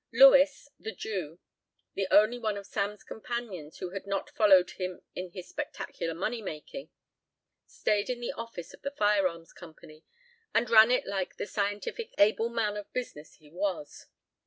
Lewis, the Jew, the only one of Sam's companions who had not followed him in his spectacular money making, stayed in the office of the firearms company and ran it like the scientific able man of business he was.